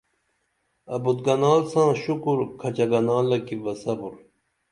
ابُت گنال ساں شُکُر کھچہ گنالہ کی بہ صبُر